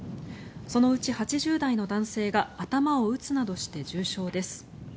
そのうち８０代の男性が頭を打つなどして重傷です。